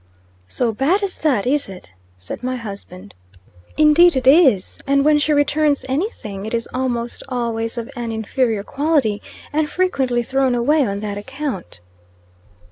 "So bad as that, is it?" said my husband. "Indeed it is; and when she returns anything, it is almost always of an inferior quality, and frequently thrown away on that account."